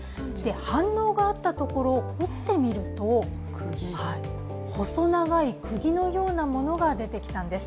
反応があったところを掘ってみると細長い釘のようなものが出てきたんです。